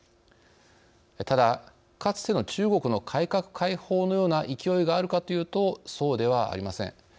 ただかつての中国の改革開放のような勢いがあるかというとそうではありません。